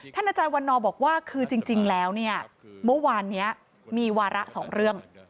อาจารย์วันนอบอกว่าคือจริงแล้วเนี่ยเมื่อวานนี้มีวาระสองเรื่อง